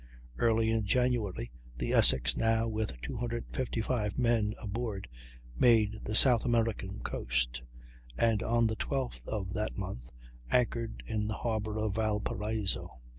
Early in January the Essex, now with 255 men aboard, made the South American coast, and on the 12th of that month anchored in the harbor of Valparaiso.